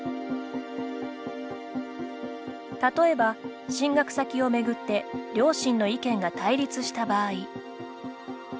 例えば、進学先をめぐって両親の意見が対立した場合。